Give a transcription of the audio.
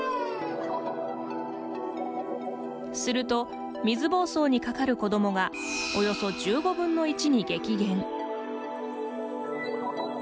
すると水ぼうそうにかかる子どもがおよそ１５分の１に激減。